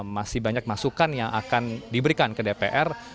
masih banyak masukan yang akan diberikan ke dpr